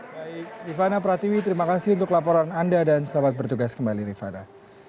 baik rifana pratiwi terima kasih untuk laporan anda dan selamat bertugas kembali rifana